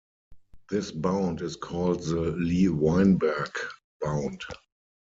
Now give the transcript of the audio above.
This bound is called the Lee-Weinberg bound.